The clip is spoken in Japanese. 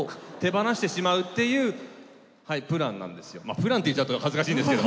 「プラン」って言っちゃうと恥ずかしいんですけども。